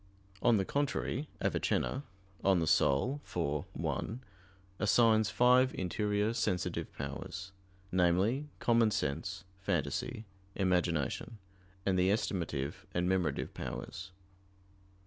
On the contrary, Avicenna (De Anima iv, 1) assigns five interior sensitive powers; namely, "common sense, phantasy, imagination, and the estimative and memorative powers."